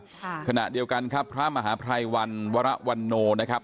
ค่ะขณะเดียวกันครับพระมหาภัยวันวรวันโนนะครับ